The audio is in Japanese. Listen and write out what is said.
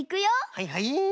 はいはい。